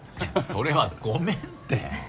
それはごめんって。